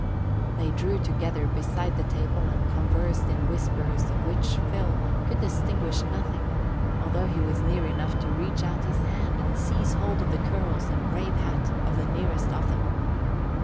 They drew together beside the table and conversed in whispers of which Phil could distinguish nothing, although he was near enough to reach out his hand and seize hold of the curls and brave hat of the nearest of them.